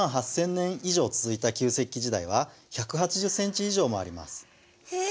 １万８，０００年以上続いた旧石器時代は１８０センチ以上もあります。